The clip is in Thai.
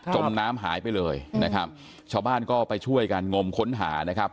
มน้ำหายไปเลยนะครับชาวบ้านก็ไปช่วยกันงมค้นหานะครับ